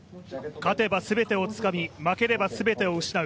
勝てば全てをつかみ巻ければ全てを失う。